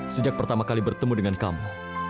sejak pertama kali bertemu dengan kamu